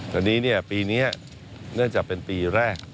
ตอนนี้ปีนี้เนื่องจากเป็นปีแรก